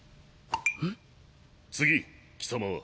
次貴様は。